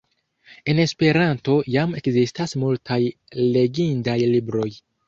En Esperanto jam ekzistas multaj legindaj libroj.